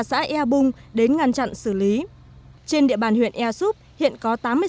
xã airbung đến ngăn chặn xử lý trên địa bàn huyện airsub hiện có